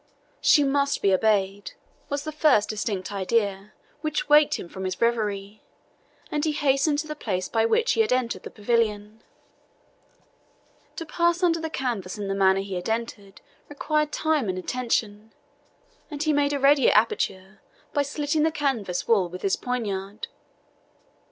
She must be obeyed, was the first distinct idea which waked him from his reverie, and he hastened to the place by which he had entered the pavilion. To pass under the canvas in the manner he had entered required time and attention, and he made a readier aperture by slitting the canvas wall with his poniard.